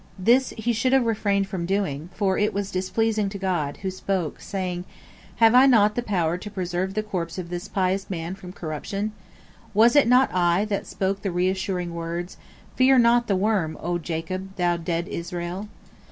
This he should have refrained from doing, for it was displeasing to God, who spoke, saying: "Have I not the power to preserve the corpse of this pious man from corruption? Was it not I that spoke the reassuring words, Fear not the worm, O Jacob, thou dead Israel?"